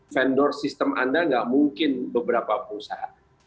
vendor sistem anda nggak mungkin beberapa perusahaan